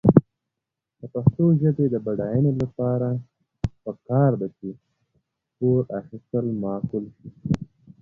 د پښتو ژبې د بډاینې لپاره پکار ده چې پور اخیستل معقول شي.